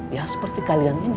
ya seperti kalian ini